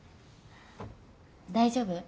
大丈夫？